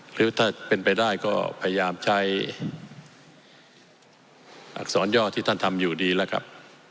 หรือถ้าเป็นไปได้ก็พยายามใช้อักษรย่อที่ท่านทำอยู่ดีแล้วครับ